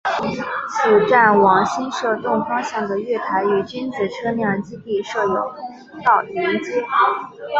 此站往新设洞方向的月台与君子车辆基地设有通道连结。